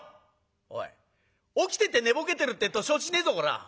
「おい起きてて寝ぼけてるってえと承知しねえぞこら！